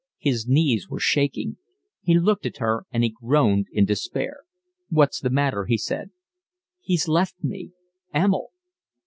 His knees were shaking. He looked at her, and he groaned in despair. "What's the matter?" he said. "He's left me—Emil."